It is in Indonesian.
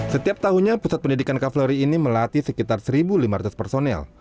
setiap tahunnya pusat pendidikan kavaleri ini melatih sekitar satu lima ratus personel